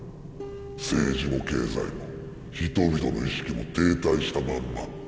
政治も経済も人々の意識も停滞したまんま。